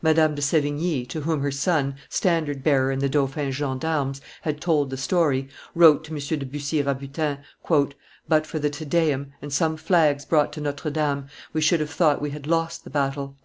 Madame de Sdvigne, to whom her son, standard bearer in the dauphin's gendarmes, had told the story, wrote to M. de BussyRabutin, "But for the Te Deum, and some flags brought to Notre Dame, we should have thought we had lost the battle."